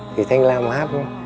thì thanh lam hát